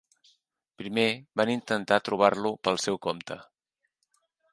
Primer, van intentar trobar-lo pel seu compte.